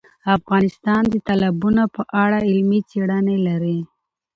افغانستان د تالابونه په اړه علمي څېړنې لري.